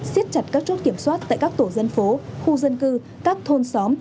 xiết chặt các chốt kiểm soát tại các tổ dân phố khu dân cư các thôn xóm